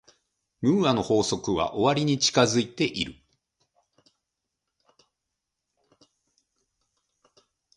ムーアの法則は終わりに近づいている。